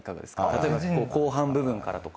例えば後半部分からとか。